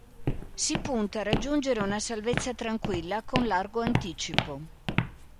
Si punta a raggiungere una salvezza tranquilla, con largo anticipo.